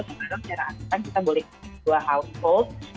sebenarnya secara asetan kita boleh dua household